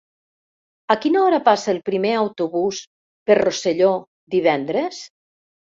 A quina hora passa el primer autobús per Rosselló divendres?